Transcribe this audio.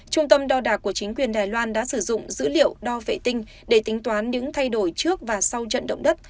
trung tâm đo đạc của chính quyền đài loan đã sử dụng dữ liệu đo vệ tinh để tính toán những thay đổi trước và sau trận động đất